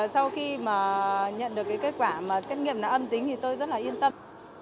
sau khi nhận được kết quả mà xét nghiệm đã âm tính thì tôi rất là yên tâm